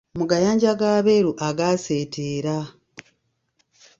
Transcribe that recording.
Mu gayanja g’abeeru agaaseeteera.